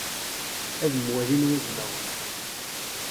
Ad mwalin wudmawen.